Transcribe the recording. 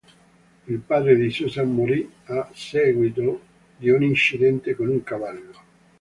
Il padre di Susan morì a seguito di un incidente con un cavallo.